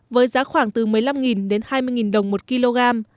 với giá khoảng từ một mươi năm đến hai mươi đồng một kg